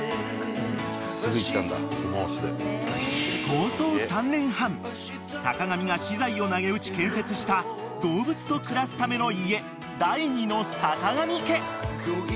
［構想３年半坂上が私財をなげうち建設した動物と暮らすための家第２の坂上家］